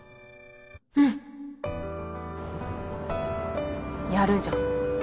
うんやるじゃん。